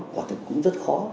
quả thực cũng rất khó